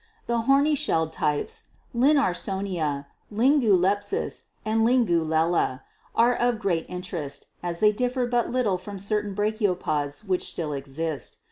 The horny shelled types, 'Linnarssonia/ 'Lingulepis' and 'Lingulella,' are of great interest, as they differ but little from certain brachiopods which still exist.